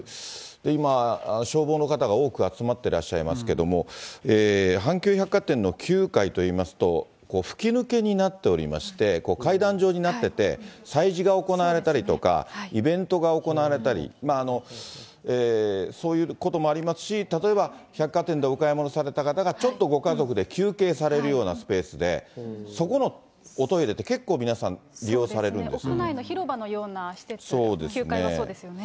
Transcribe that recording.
今、消防の方が多く集まってらっしゃいますけれども、阪急百貨店の９階といいますと、吹き抜けになっておりまして、階段状になっていて、祭事が行われたりとか、イベントが行われたり、そういうこともありますし、例えば百貨店でお買い物された方が、ちょっとご家族で休憩されるようなスペースで、そこのおトイレって結構皆さん、利用されるんですよね。